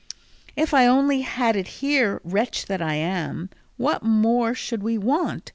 "If I only had it here, wretch that I am, what more should we want?"